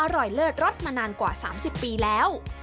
เลิศรสมานานกว่า๓๐ปีแล้ว